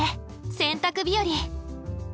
洗濯日和！